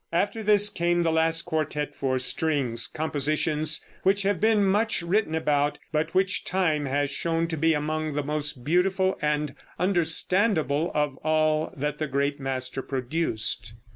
After this came the last quartettes for strings, compositions which have been much written about, but which time has shown to be among the most beautiful and understandable of all that great master produced.